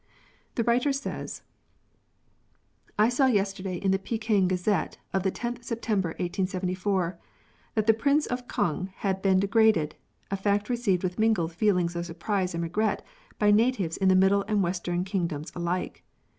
The waiter says :— "I saw yesterday in the Peking Gazette of the lOth September 1874 that the Prince of Kung had been degraded, — a fact received with mingled feelings of surprise and regret by natives of the Middle and Western kingdoms alike.